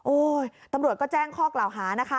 โอ๊ยตำรวจก็แจ้งข้อกล่าวฮา